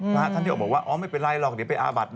พระท่านที่ออกบอกว่าอ๋อไม่เป็นไรหรอกเดี๋ยวไปอาบัด